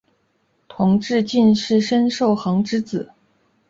同治进士尹寿衡之子。